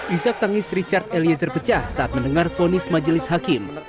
isak tangis richard eliezer pecah saat mendengar fonis majelis hakim